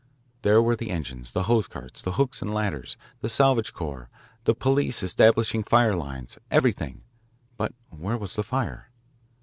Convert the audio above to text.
There were the engines, the hose carts, the hook and ladders, the salvage corps, the police establishing fire lines everything. But where was the fire?